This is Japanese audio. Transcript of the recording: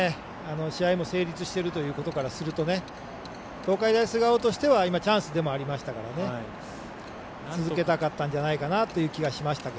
試合も成立しているということからすると東海大菅生としてはチャンスでもありましたから続けたかったんじゃないかなという気はしますが。